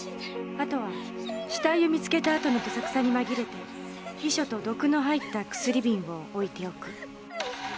あとは死体を見つけたあとのどさくさに紛れて遺書と毒の入った薬瓶を置いておく。